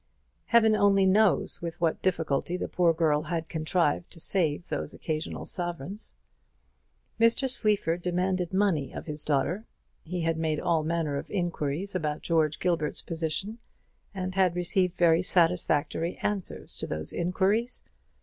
Heaven only knows with what difficulty the poor girl had contrived to save those occasional sovereigns. Mr. Sleaford demanded money of his daughter. He had made all manner of inquiries about George Gilbert's position, and had received very satisfactory answers to those inquiries.